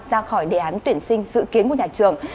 ra khỏi đề án tuyển sinh dự kiến của nhà trường